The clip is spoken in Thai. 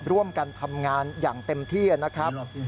ร่วมกันทำงานอย่างเต็มที่นะครับ